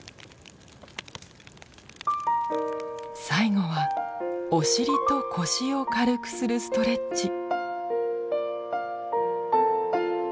最後はお尻と腰を軽くするストレッチ。